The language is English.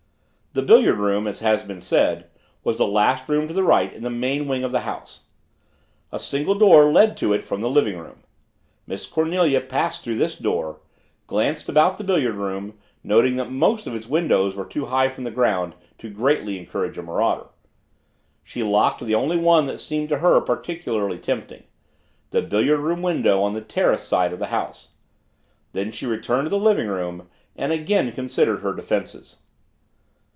The billiard room, as has been said, was the last room to the right in the main wing of the house. A single door led to it from the living room. Miss Cornelia passed through this door, glanced about the billiard room, noting that most of its windows were too high from the ground to greatly encourage a marauder. She locked the only one that seemed to her particularly tempting the billiard room window on the terrace side of the house. Then she returned to the living room and again considered her defenses.